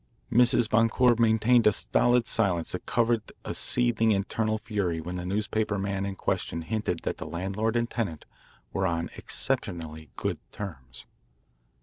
Mrs. Boncour maintained a stolid silence that covered a seething internal fury when the newspaperman in question hinted that the landlord and tenant were on exceptionally good terms.